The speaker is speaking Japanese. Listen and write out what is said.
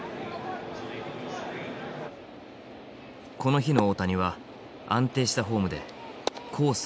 この日の大谷は安定したフォームでコース